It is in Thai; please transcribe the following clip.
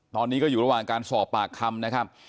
ตอนนี้ก็อยู่ระหว่างการสอบปากคำนะครับ